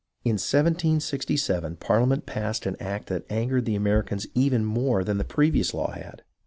In 1767, Parlia ment passed an act that angered the Americans even more than the previous law had.